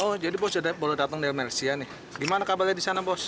oh jadi bos sudah boleh datang dari mersia nih gimana kabarnya di sana bos